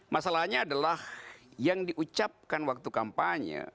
masalahnya adalah yang diucapkan waktu kampanye